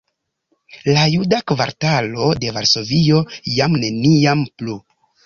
La juda kvartalo de Varsovio jam neniam plu!